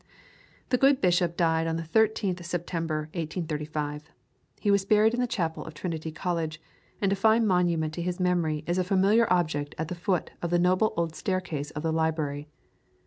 The good bishop died on the 13th September, 1835. He was buried in the chapel of Trinity College, and a fine monument to his memory is a familiar object at the foot of the noble old staircase of the library.